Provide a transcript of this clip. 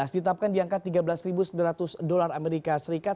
ditetapkan di angka tiga belas sembilan ratus dolar amerika serikat